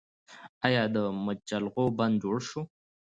آیا د مچالغو بند جوړ شو؟